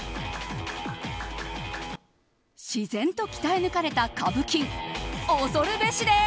自然と鍛え抜かれたカブキン恐るべしです！